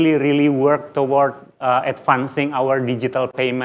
untuk benar benar bekerja untuk memperbaiki uang digital kita